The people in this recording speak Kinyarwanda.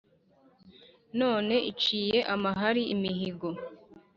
none iciye amahari imihigo,